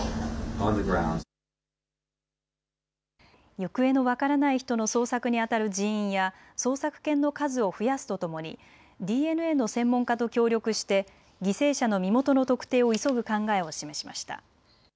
行方の分からない人の捜索にあたる人員や捜索犬の数を増やすとともにＤＮＡの専門家と協力して犠牲者の身元の特定を急ぐ考えを示しました。